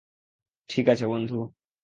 ঠিক আছে, বন্ধু।